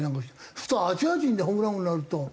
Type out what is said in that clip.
そうするとアジア人でホームラン王になると。